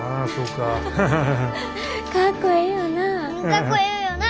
かっこええよな。